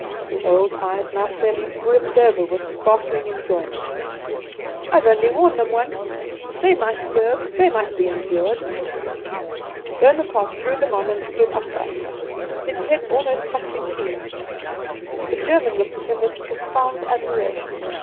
The old eyes now fairly brimmed over with sparkling enjoyment. "I have only worn them once. They might serve; they might be endured." Bonaparte drew them on and stood upright, his head almost touching the beams. The German looked at him with profound admiration.